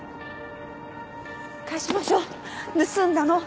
返しましょう盗んだの